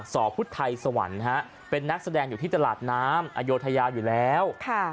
อพุทธไทยสวรรค์เป็นนักแสดงอยู่ที่ตลาดน้ำอโยธยาอยู่แล้ว